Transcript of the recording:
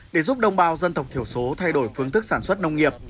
để giúp đồng bào dân tộc thiểu số thay đổi phương thức sản xuất nông nghiệp